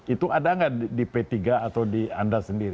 itu ada nggak di p tiga atau di anda sendiri